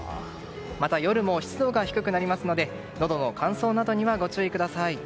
また夜も湿度が低くなりますのでのどの乾燥などにはご注意ください。